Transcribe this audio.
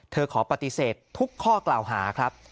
ขอปฏิเสธทุกข้อกล่าวหาครับ